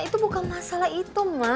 itu bukan masalah itu mas